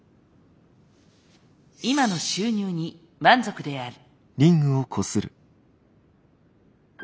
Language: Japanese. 今の収入に満足である。